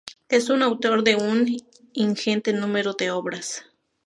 Es autor de un ingente número de obras.